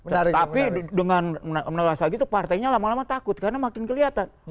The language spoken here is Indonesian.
tapi dengan menolak saja itu partainya lama lama takut karena makin kelihatan